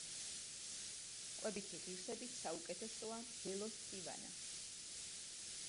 კვებითი ღირსებით საუკეთესოა მდელოს წივანა.